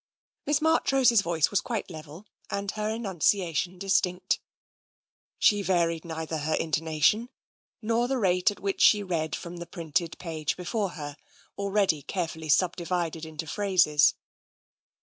..." Miss Marchrose's voice was quite level and her enun ciation distinct. She varied neither her intonation nor the rate at which she read from the printed page be fore her, already carefully subdivided into phrases.